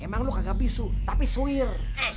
emang lu kagak bisu tapi suir